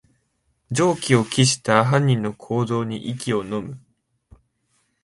常軌を逸した犯人の行動に息をのむ